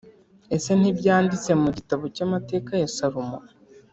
ese ntibyanditse mu gitabo cy amateka ya Salomo